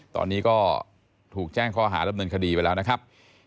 ตอนนี้ก็ถูกแจ้งข้อหาดำเนินคดีไปแล้วนะครับ